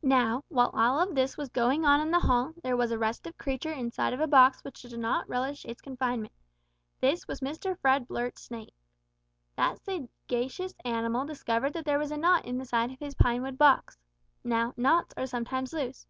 Now, while all this was going on in the hall, there was a restive creature inside of a box which did not relish its confinement. This was Mr Fred Blurt's snake. That sagacious animal discovered that there was a knot in the side of his pine wood box. Now, knots are sometimes loose.